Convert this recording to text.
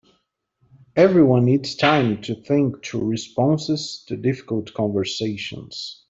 Everyone needs time to think through responses to difficult conversations.